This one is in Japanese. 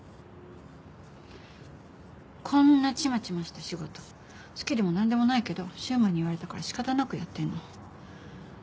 こんなちまちました仕事好きでも何でもないけど柊磨に言われたからしかたなくやってんの。